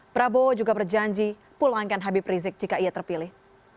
prabowo juga berjanji pulangkan habib rizik jika ia terpilih